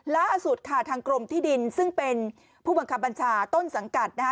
ล่าสุดค่ะทางกรมที่ดินซึ่งเป็นผู้บังคับบัญชาต้นสังกัดนะคะ